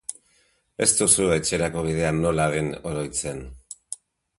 Ez duzu etxerako bidea nola den oroitzen.